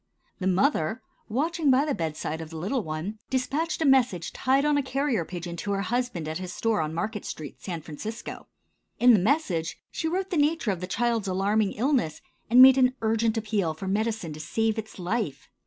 The mother, watching by the bedside of the little one, dispatched a message tied on a carrier pigeon to her husband at his store on Market street, San Francisco. In the message she wrote the nature of the child's alarming illness, and made an urgent appeal for medicine to save its life.